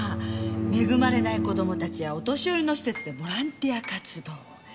恵まれない子供たちやお年寄りの施設でボランティア活動。